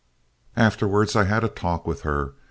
"Afterwards I had a talk with her.